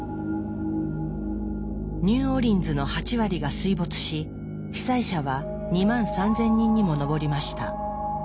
ニューオーリンズの８割が水没し被災者は２万３，０００人にも上りました。